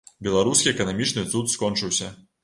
Беларускі эканамічны цуд скончыўся.